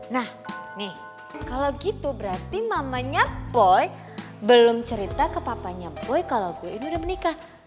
nah nih kalau gitu berarti mamanya boy belum cerita ke papanya boy kalau gue ini udah menikah